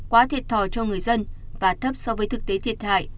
quá thiệt thòi cho người dân và thấp so với thực tế thiệt hại